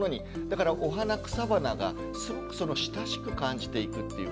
だからお花草花がすごく親しく感じていくということが。